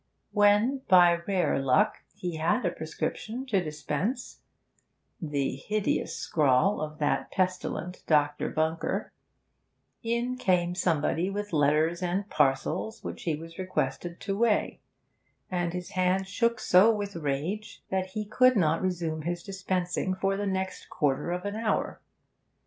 When, by rare luck, he had a prescription to dispense (the hideous scrawl of that pestilent Dr. Bunker) in came somebody with letters and parcels which he was requested to weigh; and his hand shook so with rage that he could not resume his dispensing for the next quarter of an hour.